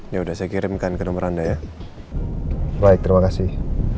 ya sudah saya kirimkan ke nomor anda ya baik terima kasih